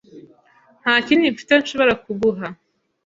Nta kindi mfite nshobora kuguha.